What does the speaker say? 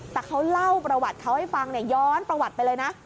แต่เขาเล่าประวัติเขาให้ฟังย้อนประวัติไปเลยนะ